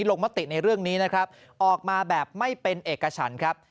มติในเรื่องนี้นะครับออกมาแบบไม่เป็นเอกฉันครับ